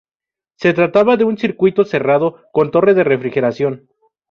Se trataba de un circuito cerrado con torre de refrigeración.